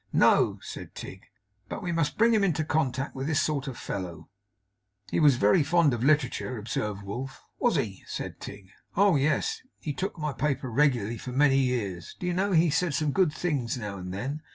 'No,' said Tigg. 'But we must bring him into contact with this sort of fellows.' 'He was very fond of literature,' observed Wolf. 'Was he?' said Tigg. 'Oh, yes; he took my paper regularly for many years. Do you know he said some good things now and then?